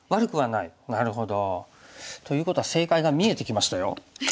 なるほど。ということは正解が見えてきましたよ。